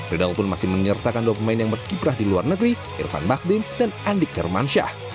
riedel pun masih menyertakan dua pemain yang berkiprah di luar negeri irvan bakdim dan andik germansyah